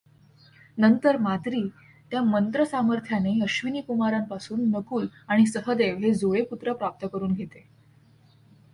नंतर माद्री त्या मंत्रसामर्थ्याने अश्विनीकुमारांपासून नकुल आणि सहदेव हे जुळे पुत्र प्राप्त करून घेते.